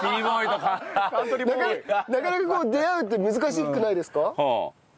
なかなか出会うって難しくないですか？